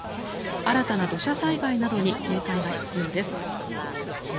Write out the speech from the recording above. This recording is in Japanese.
新たな土砂災害などに警戒が必要です。